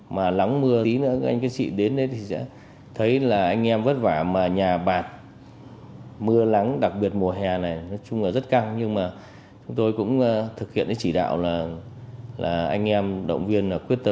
mà lắng mưa tí nữa anh các chị đến đấy thì sẽ thấy là anh em vất vả mà nhà bạt mưa lắng đặc biệt mùa hè này nói chung là rất căng nhưng mà chúng tôi cũng thực hiện cái chỉ đạo là anh em động viên